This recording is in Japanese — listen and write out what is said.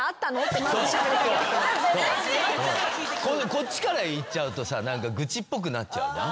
こっちから言っちゃうと愚痴っぽくなっちゃうじゃん。